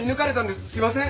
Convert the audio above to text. すいません！